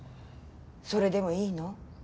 それでもいいの？